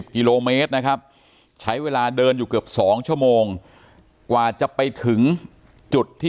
๑๐กิโลเมตรนะครับใช้เวลาเดินอยู่เกือบ๒ชั่วโมงกว่าจะไป